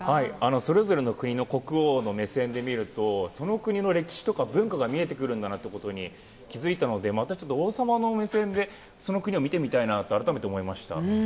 それぞれの国の国王の目線で見るとその国の歴史とか文化が見えてくるんだなということに気づいたのでまた王様の目線でその国を見てみたいなと改めて思いました。